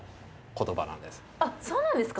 そうなんですか？